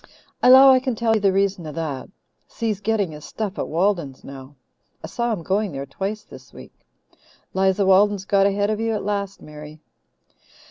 "I 'low I can tell you the reason of that. Si's getting his stuff at Walden's now. I saw him going there twice this week. 'Liza Walden's got ahead of you at last, Mary."